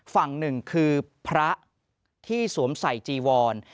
ฝั่งหนึ่งคือพระที่สวมใส่จีวร